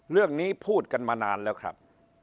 เรื่องนี้พูดกันมานานแล้วครับ